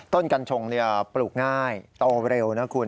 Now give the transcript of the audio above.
ต้นกันชงเนี่ยปลูกง่ายโตเร็วนะคุณ